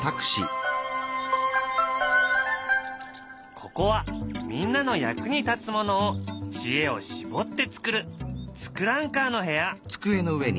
ここはみんなの役に立つものを知恵をしぼって作る「ツクランカー」の部屋。